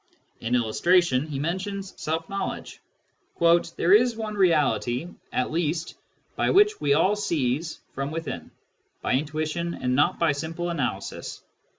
In illustration, he mentions self knowledge :" there is one reality, at least, which we all seize from within, by intuition and not by simple analysis.